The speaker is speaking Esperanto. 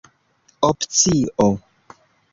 opcio